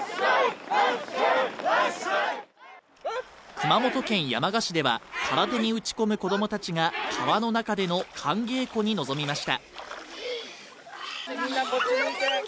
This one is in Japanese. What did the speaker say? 熊本県山鹿市では空手に打ち込む子供たちが川の中での寒稽古に臨みました。